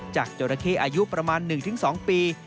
จากเจราะเทศอายุประมาณ๑๒ปี